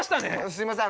すみません